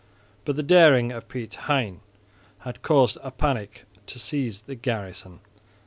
But the daring of Piet Hein had caused a panic to seize the garrison.